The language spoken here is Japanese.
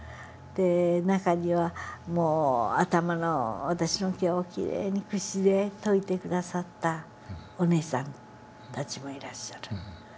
中には私の毛をきれいにくしでといて下さったおねえさんたちもいらっしゃる。